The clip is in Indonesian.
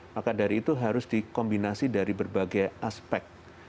maka dari itu harus dikombinasi dari berbagai aspek